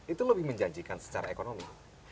itu lebih menjanjikan secara ekonomi